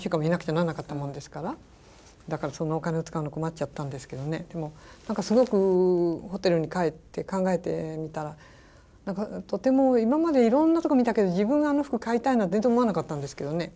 なんなかったもんですからだからそんなお金を使うの困っちゃったんですけどねでも何かすごくホテルに帰って考えてみたらとても今までいろんなとこ見たけど自分があの服買いたいなんて全然思わなかったんですけどね。